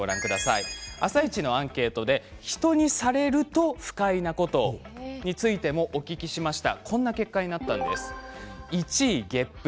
「あさイチ」のアンケートで人にされると不快なことについてもお聞きしました。